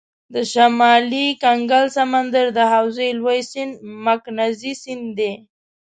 د شمالي کنګل سمندر د حوزې لوی سیند مکنزي سیند دی.